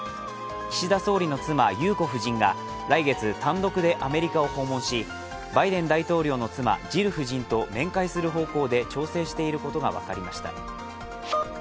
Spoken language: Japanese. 岸田総理の妻・裕子夫人が来月、単独でアメリカを訪問しバイデン大統領の妻ジル夫人と面会する方向で調整していることが分かりました。